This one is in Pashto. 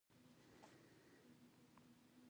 د افغان وطن د برېښنا مزی به پرې کوي.